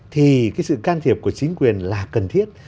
thì cái sự can thiệp của chính quyền là cần thiết